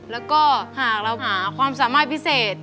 แล้วก็หากเราหาความสามารถพิเศษ